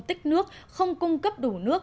tích nước không cung cấp đủ nước